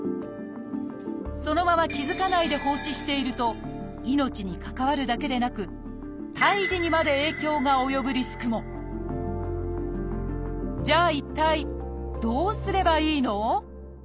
そのまま気付かないで放置していると命に関わるだけでなく胎児にまで影響が及ぶリスクもじゃあ一体どうすればいいの？